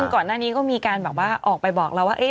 ก่อนหน้านี้ก็มีการออกไปบอกเราว่า